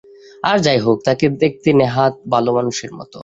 আর যাই হোক, তাকে দেখতে নেহাত ভালোমানুষের মতো।